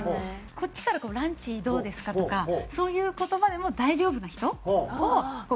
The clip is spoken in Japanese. こっちから「ランチどうですか？」とかそういう言葉でも大丈夫な人を厳選して連絡を。